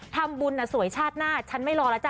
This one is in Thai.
ทำบุญสวยชาติหน้าฉันไม่รอแล้วจ้